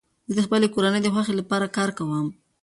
زه د خپلي کورنۍ د خوښۍ له پاره کار کوم.